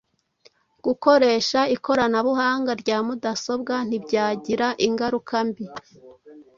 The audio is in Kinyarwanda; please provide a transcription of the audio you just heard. Gukoresha ikoranabuhanga rya mudasobwa ntibyagira ingaruka mbi”